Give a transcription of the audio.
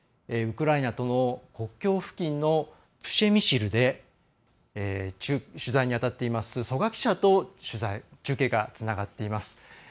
ウクライナとの国境付近のプシェミシルで取材に当たっています曽我記者と中継がつながっています。